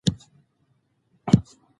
د هیلې سترګې د قالینې په ګلانو کې نښتې وې.